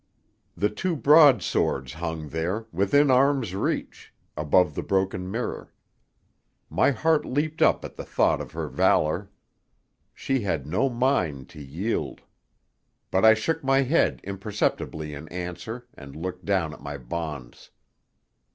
The two broadswords hung there, within arm's reach, above the broken mirror. My heart leaped up at the thought of her valour. She had no mind to yield! But I shook my head imperceptibly in answer, and looked down at my bonds.